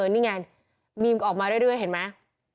นี่ไงมีมออกมาเรื่อยเห็นไหม